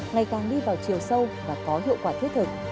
ngày càng đi vào chiều sâu và có hiệu quả thiết thực